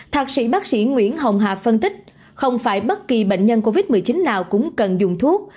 thạc sĩ bác sĩ nguyễn hồng hà phân tích không phải bất kỳ bệnh nhân covid một mươi chín nào cũng cần dùng thuốc